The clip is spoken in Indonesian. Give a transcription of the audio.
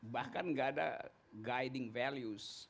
bahkan gak ada guiding values